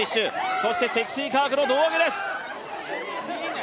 そして積水化学の胴上げです。